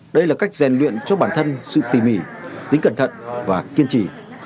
đây là cách rèn luyện cho bản thân sự tỉ mỉ tính cẩn thận và kiên trì